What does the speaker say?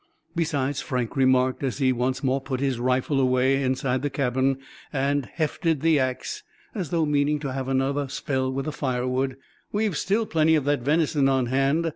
"Besides," Frank remarked, as he once more put his rifle away inside the cabin, and "hefted" the ax, as though meaning to have another spell with the firewood, "we've still plenty of that venison on hand.